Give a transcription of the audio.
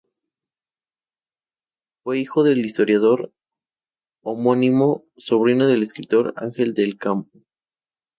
Fue hijo del historiador homónimo y sobrino del escritor Ángel del Campo.